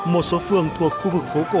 một số phường thuộc khu vực phố cổ